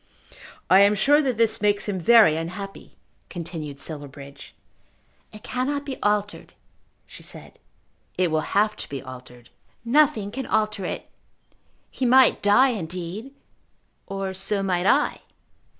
"I am sure that this makes him very unhappy," continued Silverbridge. "It cannot be altered," she said. "It will have to be altered." "Nothing can alter it. He might die, indeed; or so might I."